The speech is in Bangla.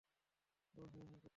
ওহ, হ্যাঁ হ্যাঁ, করতে চাস?